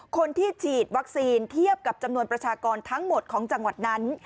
คนที่ฉีดวัคซีนเทียบกับจำนวนประชากรทั้งหมดของจังหวัดนั้น